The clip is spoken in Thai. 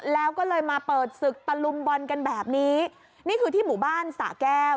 แล้วก็เลยมาเปิดศึกตะลุมบอลกันแบบนี้นี่คือที่หมู่บ้านสะแก้ว